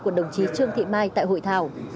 của đồng chí trương thị mai tại hội thảo